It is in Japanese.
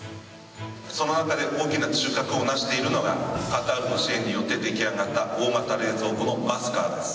その辺り大きな中核をなしているのがカタールの支援によって出来上がった大型冷蔵庫のマスカーです。